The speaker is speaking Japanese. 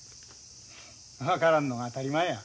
分からんのが当たり前や。